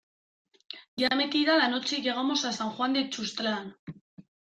ya metida la noche llegamos a San Juan de Tuxtlan.